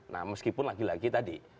nah meskipun lagi lagi tadi